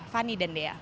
fani dan dea